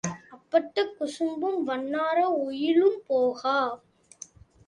அம்பட்டக் குசும்பும் வண்ணார ஒயிலும் போகா.